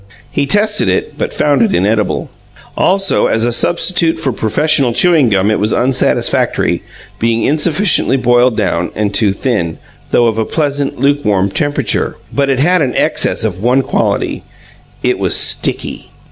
He tested it, but found it inedible. Also, as a substitute for professional chewing gum it was unsatisfactory, being insufficiently boiled down and too thin, though of a pleasant, lukewarm temperature. But it had an excess of one quality it was sticky.